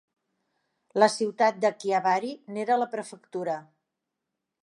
La ciutat de Chiavari n'era la prefectura.